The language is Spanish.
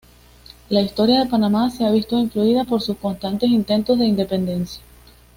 La historia de Panamá se ha visto influida por sus constantes intentos de independencia.